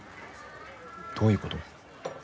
どういうこと？